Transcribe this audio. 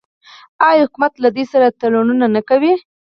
آیا حکومت له دوی سره تړونونه نه کوي؟